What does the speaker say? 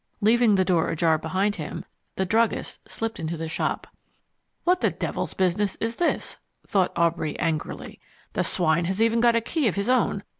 Leaving the door ajar behind him, the druggist slipped into the shop. "What devil's business is this?" thought Aubrey angrily. "The swine has even got a key of his own.